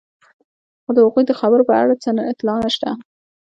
خو د هغوی د خبرو په اړه څه اطلاع نشته.